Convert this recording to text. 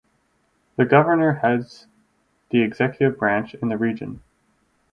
The governor heads the executive branch in the region.